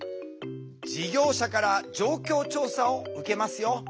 事業者から状況調査を受けますよ。